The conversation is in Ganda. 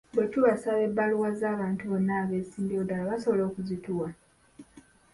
Bwe tubasaba ebbaluwa z'abantu bonna abeesimbyewo ddala basobola okuzituwa?